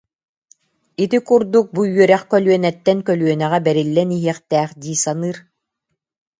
Ити курдук бу үөрэх көлүөнэттэн көлүөнэҕэ бэриллэн иһиэхтээх дии саныыр